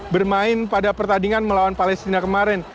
bermain pada pertandingan melawan palestina kemarin